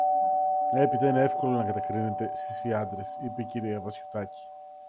Έπειτα, είναι εύκολο να κατακρίνετε, σεις οι άντρες, είπε η κυρία Βασιωτάκη